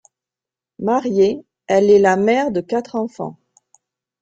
Mariée, elle est la mère de quatre enfants.